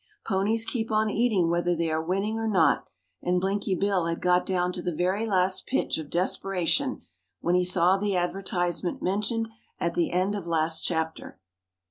Ponies keep on eating whether they are winning or not and Blinky Bill had got down to the very last pitch of desperation when he saw the advertisement mentioned at the end of last chapter.